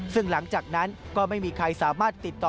ซึ่งหลังจากนั้นก็ไม่มีใครสามารถติดต่อ